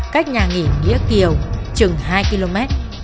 cách nhà nghỉ nghĩa kiều chừng hai km